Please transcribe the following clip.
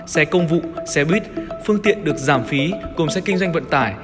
xe công vụ xe buýt phương tiện được giảm phí gồm xe kinh doanh vận tải